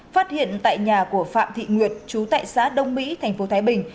phát hiện tại nhà của phạm thị nguyệt chú tại xã đông mỹ thành phố thái bình